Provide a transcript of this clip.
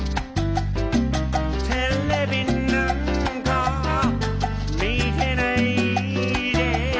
「ＴＶなんか見てないで」